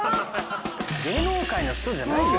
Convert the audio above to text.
芸能界の人じゃないよ。